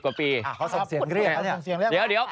เขาส่งเสียงเรียกนะเนี่ย